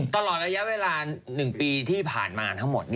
ตลอดระยะเวลา๑ปีที่ผ่านมาทั้งหมด